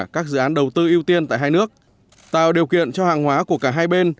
các dự án đầu tư ưu tiên tại hai nước tạo điều kiện cho hàng hóa của cả hai bên